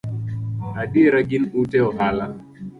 Adiera, gin ute ohala